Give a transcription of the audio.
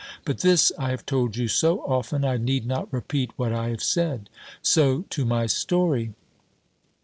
But this I have told you so often, I need not repeat what I have said. So to my story.